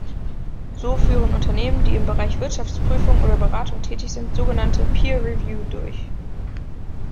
So führen Unternehmen, die im Bereich Wirtschaftsprüfung oder Beratung tätig sind, sogenannte Peer-Review durch.